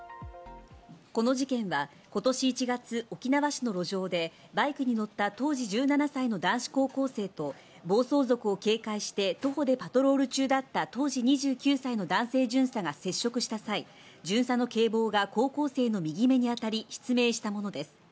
この事件は今年１月、沖縄市の路上でバイクに乗った当時１７歳の男子高校生と暴走族を警戒して徒歩でパトロール中だった当時２９歳の男性巡査が接触した際、巡査の警棒が高校生の右目に当たり失明したものです。